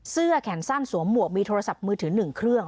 เสื้อแขนสั้นสวมหมวกมีโทรศัพท์มือถือ๑เครื่อง